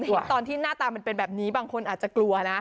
เห็นตอนที่หน้าตามันเป็นแบบนี้บางคนอาจจะกลัวนะ